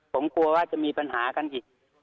ผมกลัวว่าจะมีปัญหากันอีก